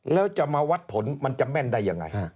แล้วจะมาวัดผลมันจะแม่นได้ยังไง